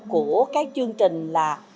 của cái chương trình là